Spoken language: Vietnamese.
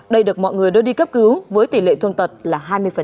đây được mọi người đưa đi cấp cứu với tỷ lệ thương tật là hai mươi